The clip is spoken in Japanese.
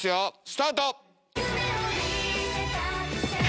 スタート！